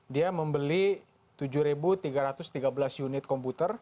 dia membeli tujuh tiga ratus tiga belas unit komputer